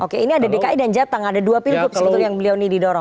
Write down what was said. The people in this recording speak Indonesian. oke ini ada dki dan jateng ada dua pilgub sebetulnya yang beliau ini didorong